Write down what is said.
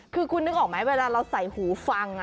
คือคุณนึกออกไหมเวลาเราใส่หูฟัง